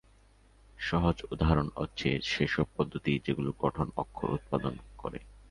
সহজ উদাহরণ হচ্ছে সেসব পদ্ধতি যেগুলো গঠন অক্ষর উৎপন্ন করে।